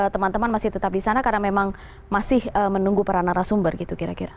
teman teman masih tetap di sana karena memang masih menunggu para narasumber gitu kira kira